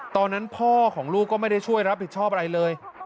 ตอนนั้นพ่อของลูกก็ไม่ได้ช่วยรับผิดชอบอะไรเลย